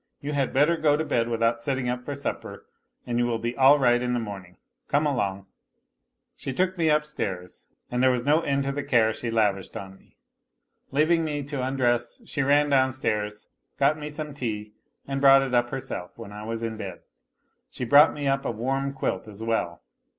You had better go to bed without sitting up for supper, and you will be all right in the morning. Come along." A LITTLE HERO 249 She took me upstairs, and there was no end to the care she lavished on me. Leaving ime to undress she ran 'downstairs, got me some tea, and brought it up herself when I was in bed. She brought me up a warm quilt as well.